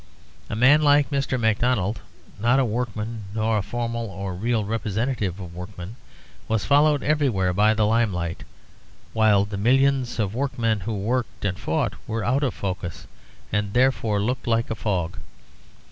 A man like Mr. Macdonald, not a workman nor a formal or real representative of workmen, was followed everywhere by the limelight; while the millions of workmen who worked and fought were out of focus and therefore looked like a fog.